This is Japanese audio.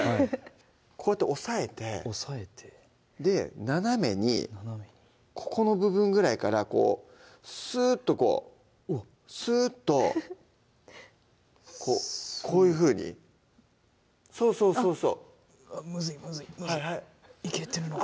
こうやって押さえてで斜めにここの部分ぐらいからこうすーっとこうすーっとこういうふうにそうそうそうわっむずいむずいいけてるのか？